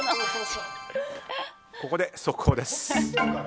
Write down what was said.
ここで速報です。